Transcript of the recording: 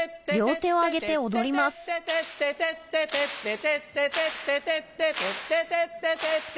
テッテテッテテッテテッテテッテテッテテッテテッテ